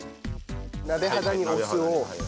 鍋肌にお酢を。